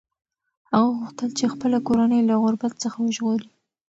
هغه غوښتل چې خپله کورنۍ له غربت څخه وژغوري.